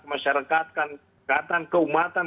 masyarakat keatangan keumatan